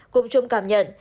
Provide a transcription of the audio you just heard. cùng chung cảm nhận